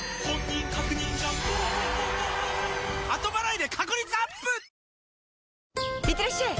いってらっしゃい！